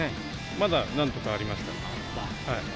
まだなんとかありました。